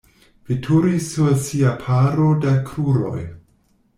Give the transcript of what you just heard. Veturi sur sia paro da kruroj.